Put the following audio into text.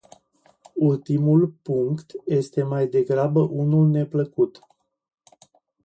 Ultimul punct este mai degrabă unul neplăcut.